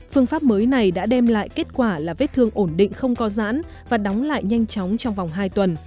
phương pháp mới này đã đem lại kết quả là vết thương ổn định không co giãn và đóng lại nhanh chóng trong vòng hai tuần